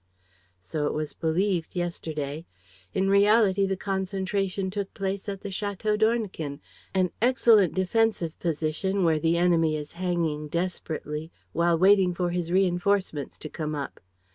"So it was believed, yesterday. In reality, the concentration took place at the Château d'Ornequin, an excellent defensive position where the enemy is hanging desperately while waiting for his reinforcements to come up.